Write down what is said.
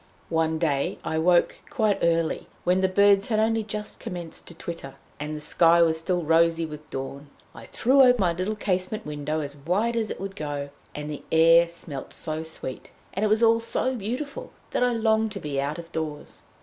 One day I woke quite early, when the birds had only just commenced to twitter, and the sky was still rosy with dawn. I threw open my little casement window as wide as it would go, and the air smelt so sweet, and it was all so beautiful, that I longed to be out of doors.